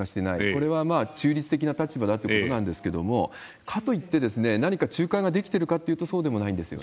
これは中立的な立場だということなんですけれども、かといって何か仲介ができてるかというと、そうでもないんですよ